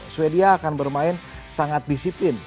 sweden akan bermain sangat disiplin